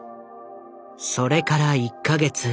それから１か月。